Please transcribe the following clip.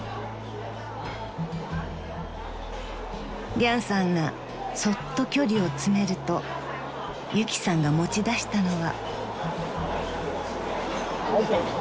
［リャンさんがそっと距離を詰めるとゆきさんが持ちだしたのは］